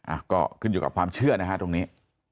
อ่ะก็ขึ้นอยู่กับความเชื่อนะฮะตรงนี้